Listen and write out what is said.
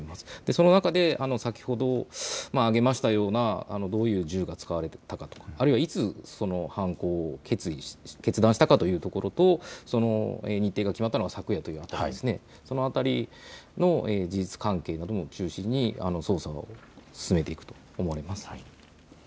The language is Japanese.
その中で先ほど挙げましたようなどういう銃が使われたかとか、あるいはいつ犯行を決断したかというところとその日程が決まったのが昨夜ということでその辺りの事実関係なども中心に捜査を進めていくと思われます。